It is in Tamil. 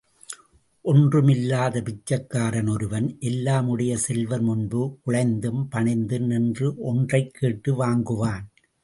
ஒன்றும் இல்லாத பிச்சைக்காரன் ஒருவன் எல்லாம் உடைய செல்வர் முன்பு குழைந்தும் பணிந்தும் நின்று ஒன்றைக் கேட்டு வாங்குவான்.